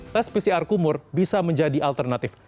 tes pcr kumur bisa menjadi alternatif